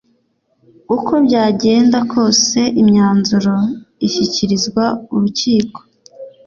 uko byagenda kose imyanzuro ishyikirizwa urukiko